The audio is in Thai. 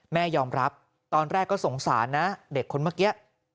แม่ยอมรับตอนแรกก็สงสารนะเด็กคนเมื่อกี้